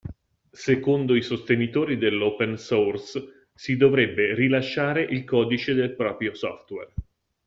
Secondo i sostenitori dell'Open Source si dovrebbe rilasciare il codice del proprio software.